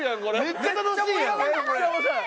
めっちゃ面白い！